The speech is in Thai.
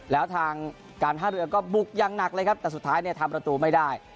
แล้วทางการท่าเรือก็บุกอย่างหนักเลยครับแต่สุดท้ายเนี่ยทำประตูไม่ได้